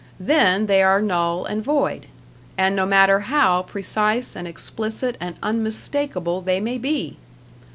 Then they are null and void and no matter how precise and explicit and unmistakable they may be!